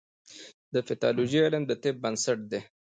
د پیتالوژي علم د طب بنسټ دی.